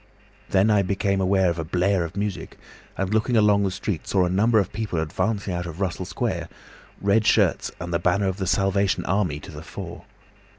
"Then I became aware of a blare of music, and looking along the street saw a number of people advancing out of Russell Square, red shirts, and the banner of the Salvation Army to the fore.